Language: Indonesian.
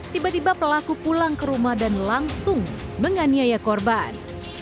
tiba tiba pelaku pulang ke rumah dan langsung menganiaya korban